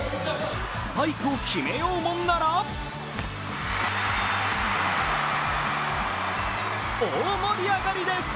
スパイクを決めようもんなら大盛り上がりです！